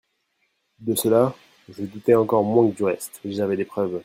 De cela, je doutais encore moins que du reste, j'avais des preuves.